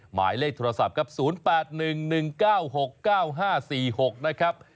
หมายเลขโทรศัพท์ครับ๐๘๑๑๙๖๙๕๔๖นะครับ